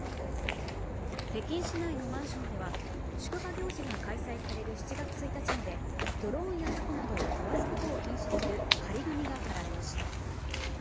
北京市内のマンションでは祝賀行事が開催される７月１日までドローンやたこなどを飛ばすことを禁止する貼り紙が貼られました。